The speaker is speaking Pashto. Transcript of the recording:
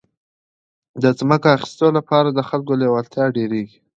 د ځمکو د اخیستو لپاره د خلکو لېوالتیا ډېرېږي.